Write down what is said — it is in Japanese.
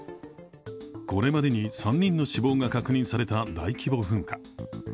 これまでに３人の死亡が確認された大規模噴火。